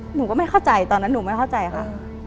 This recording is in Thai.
หนูก็ไม่เข้าใจตอนนั้นหนูไม่เข้าใจค่ะ